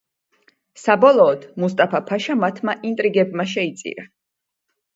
საბოლოოდ, მუსტაფა ფაშა მათმა ინტრიგებმა შეიწირა.